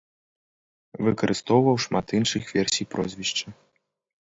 Выкарыстоўваў шмат іншых версій прозвішча.